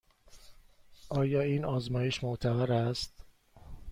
آیا این آزمایش معتبر است؟